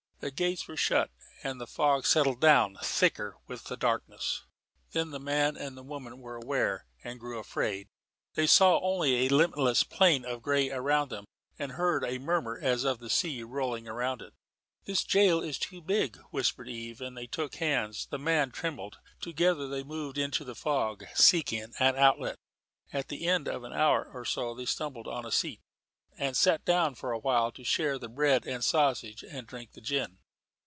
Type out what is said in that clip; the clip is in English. The gates were shut; and the fog settled down thicker with the darkness. Then the man and the woman were aware, and grew afraid. They saw only a limitless plain of grey about them, and heard a murmur as of the sea rolling around it. "This gaol is too big," whispered Eve, and they took hands. The man trembled. Together they moved into the fog, seeking an outlet. At the end of an hour or so they stumbled on a seat, and sat down for awhile to share the bread and sausage, and drink the gin.